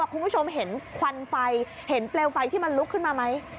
คุณผู้ชมเห็นควันไฟเห็นเปลวไฟที่มันลุกขึ้นมาไหม